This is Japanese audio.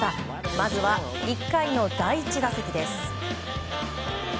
まずは、１回の第１打席です。